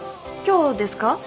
今日ですか？